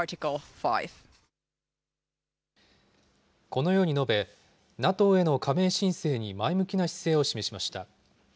このように述べ、ＮＡＴＯへの加盟申請に前向きな姿勢を示しました。